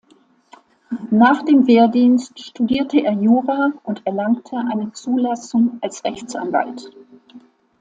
Nach dem Wehrdienst studierte er Jura und erlangte eine Zulassung als Rechtsanwalt.